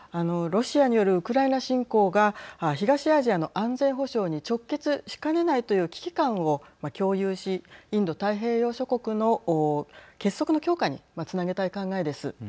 ロシアによるウクライナ侵攻が東アジアの安全保障に直結しかねないという危機感を共有しインド太平洋諸国の結束の強化につなげたい考えです。